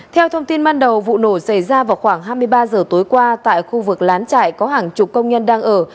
theo thông tin ban đầu vụ nổ xảy ra vào khoảng hai mươi ba h tối qua tại khu vực lán trại có hàng chục công nhân đang ở